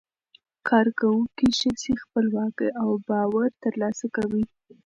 کارکوونکې ښځې خپلواکي او باور ترلاسه کوي.